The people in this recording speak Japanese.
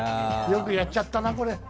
よくやっちゃったな、これ。